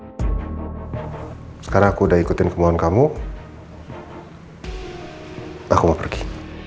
itu istri aku sekarang aku udah ikutin kemohonan kamu aku mau pergi